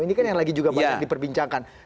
ini kan yang lagi juga banyak diperbincangkan